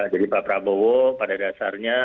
jadi pak prabowo pada dasarnya